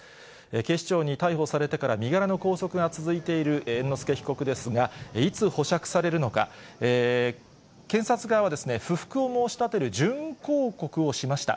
警視庁に逮捕されてから身柄の拘束が続いている猿之助被告ですが、いつ保釈されるのか、検察側は不服を申し立てる準抗告をしました。